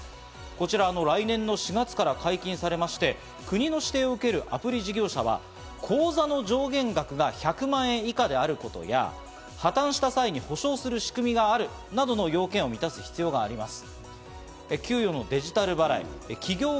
こちら来年の４月から解禁されまして、国の指定を受けるアプリ事業者は口座の上限額が１００万円以下であることや、破たんした際に保証する仕組みがあるなどの要件を満たす必要があります。